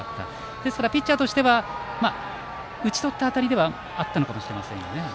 ですから、ピッチャーとしては打ち取った当たりではあったかもしれません。